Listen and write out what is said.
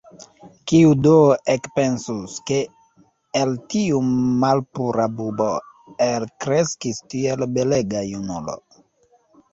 Kiu do ekpensus, ke el tiu malpura bubo elkreskis tiel belega junulo!